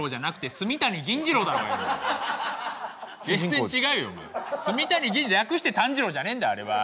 炭谷銀仁朗略して炭治郎じゃねえんだあれは。